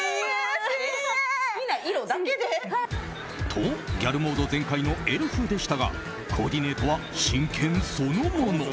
と、ギャルモード全開のエルフでしたがコーディネートは真剣そのもの。